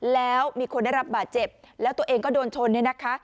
แล้วมีคนได้รับบาดเจ็บแล้วตัวเองก็โดนชนเนี่ยนะคะ